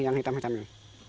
yang hitam hitam ini